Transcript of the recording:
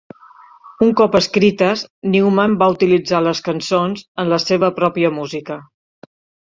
Un cop escrites, Newman va utilitzar les cançons en la seva pròpia música.